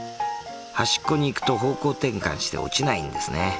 端っこに行くと方向転換して落ちないんですね。